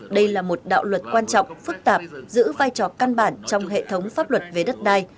đây là một đạo luật quan trọng phức tạp giữ vai trò căn bản trong hệ thống pháp luật về đất đai